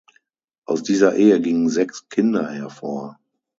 Aus dieser Ehe gingen sechs Kinder hervor.